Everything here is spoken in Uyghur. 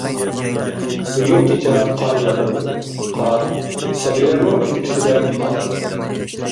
بۈگۈن كېچە قار ياغىدۇ، قار، سەبىيلەرنىڭ كۈلكىسىدەك ئاق.